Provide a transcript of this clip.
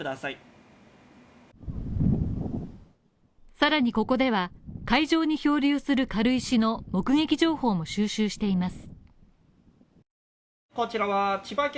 さらにここでは海上に漂流する軽石の目撃情報も収集しています。